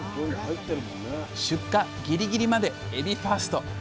出荷ギリギリまでエビファースト。